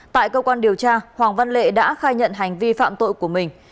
tại cơ quan điều tra hoàng văn lệ đã khai nhận hành vi phạm tội của mình